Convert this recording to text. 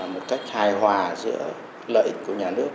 một cách hài hòa giữa lợi ích của nhà nước